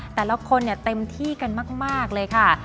แต่ละคนเนี่ยเต็มที่กันมากเลยค่ะ